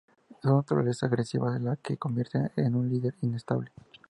Su naturaleza agresiva es lo que lo convierte en un líder inestable.